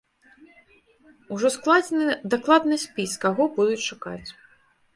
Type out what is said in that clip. Ужо складзены дакладны спіс, каго будуць шукаць.